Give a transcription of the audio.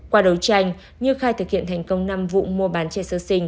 qua đấu tranh như khai thực hiện thành công năm vụ một